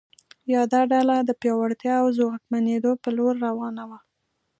یاده ډله د پیاوړتیا او ځواکمنېدو په لور روانه وه.